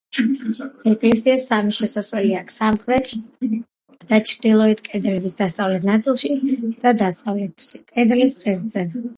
ეკლესიას სამი შესასვლელი აქვს: სამხრეთ და ჩრდილოეთ კედლების დასავლეთ ნაწილში და დასავლეთ კედლის ღერძზე.